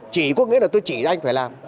chỉ có nghĩa là tôi chỉ anh phải làm